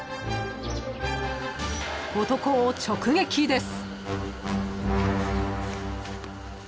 ［男を直撃です］